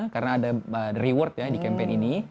karena ada reward ya di campaign ini